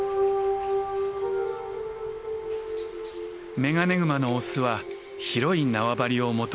メガネグマのオスは広い縄張りを持とうとします。